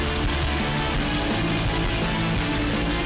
lo lihat sendiri kan